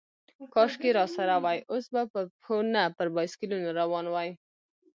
کاشکې راسره وای، اوس به پر پښو، نه پر بایسکلونو روان وای.